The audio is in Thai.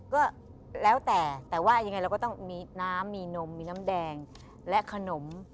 ก็แล้วแต่แต่ว่ายังไงเราก็ต้องมีน้ำมีนมมีน้ำแดงและขนม